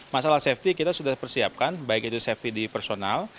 masalah safety kita sudah persiapkan baik itu safety di personal